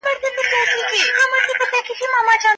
په دې شنه وادۍ کې د زیتونو ونې ډیرې لیدل کیږي.